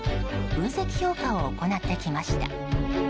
分析・評価を行ってきました。